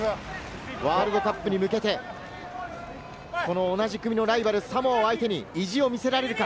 ワールドカップに向けて同じ組のライバルのサモアを相手に意地を見せられるか？